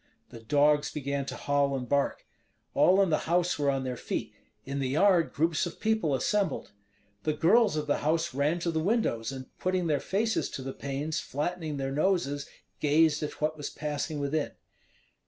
The dogs began to howl and bark. All in the house were on their feet; in the yard groups of people assembled. The girls of the house ran to the windows, and putting their faces to the panes, flattening their noses, gazed at what was passing within.